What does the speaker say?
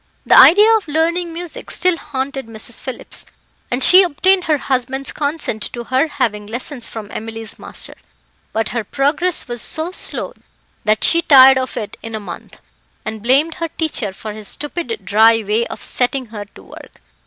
The idea of learning music still haunted Mrs. Phillips, and she obtained her husband's consent to her having lessons from Emily's master; but her progress was so slow that she tired of it in a month, and blamed her teacher for his stupid dry way of setting her to work.